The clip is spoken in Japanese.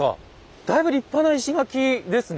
だいぶ立派な石垣ですね。